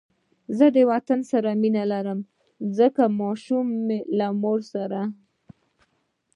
زه د وطن سره مینه لرم لکه ماشوم له مور سره